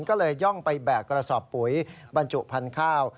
ก็เลยย่องไปแบกกระสอบปุ๋ยบรรจุพันธุ์ข้าว